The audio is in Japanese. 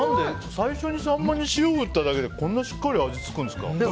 最初にサンマに塩振っただけでこんなしっかり味付くんですか。